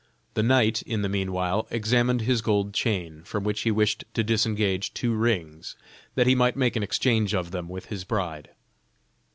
The knight in the mean while examined his gold chain, from which he wished to disengage two rings, that he might make an exchange of them with his bride.